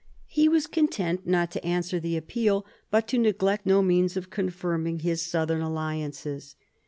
He was content not to answer the appeal, but to neglect no means of confirming his southern alliances.